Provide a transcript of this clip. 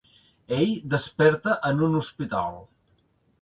Ell desperta en un hospital.